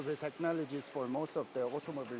untuk sebagian besar pembuat otomobil